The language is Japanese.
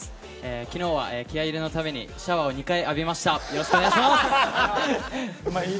昨日は気合い入れのためにシャワーを２回、浴びました。